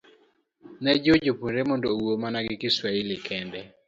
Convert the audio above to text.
ne jiwo jopuonjre mondo owuo mana gi Kiswahili kende.